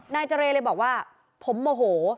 นายเจรเลยบอกว่าผมโมโห